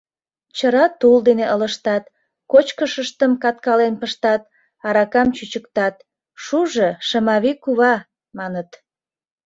Чыра тул дене ылыжтат, кочкышыштым каткален пыштат, аракам чӱчыктат, «Шужо, Шымавий кува» маныт.